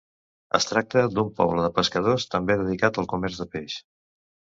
Es tracta d'un poble de pescadors també dedicat al comerç de peix.